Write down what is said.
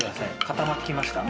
固まってきました。